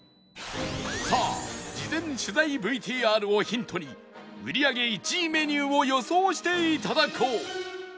さあ事前取材 ＶＴＲ をヒントに売り上げ１位メニューを予想して頂こう